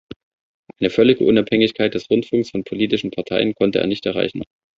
Eine völlige Unabhängigkeit des Rundfunks von politischen Parteien konnte er nicht erreichen.